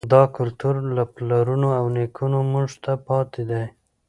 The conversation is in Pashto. دا کلتور له پلرونو او نیکونو موږ ته پاتې دی.